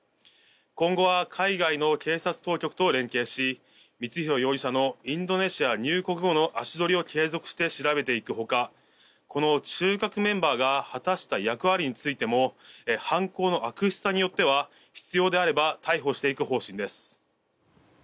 今後は海外の警察当局と連携し光弘容疑者のインドネシア入国後の足取りを継続して調べていく他この中核メンバーが果たした役割についても犯行の悪質さによっては必要であれば逮捕していく方針です。